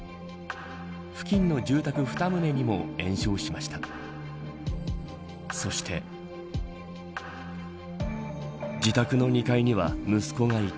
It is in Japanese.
付近の住宅２棟にも延焼しました。